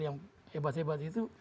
yang hebat hebat itu